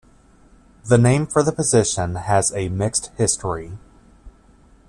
The name for the position has a mixed history.